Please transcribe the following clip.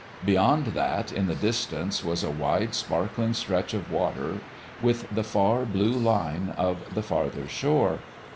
Beyond that, in the distance, was a wide, sparkling stretch of water with the far, blue line of the farther shore.